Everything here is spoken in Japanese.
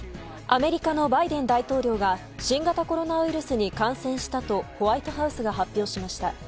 アメリカのバイデン大統領が新型コロナウイルスに感染したとホワイトハウスが発表しました。